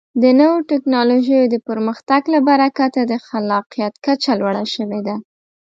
د نوو ټکنالوژیو د پرمختګ له برکته د خلاقیت کچه لوړه شوې ده.